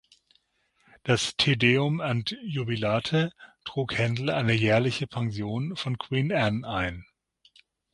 Das "Te Deum and Jubilate" trug Händel eine jährliche Pension von Queen Anne ein.